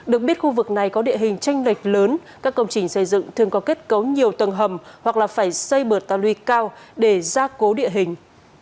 được biết khu vực này có địa hình tranh lệch lớn các công trình xây dựng thường có kết cấu nhiều tầng hầm hoặc là phải xây bờ tà lui cao để ra cố địa hình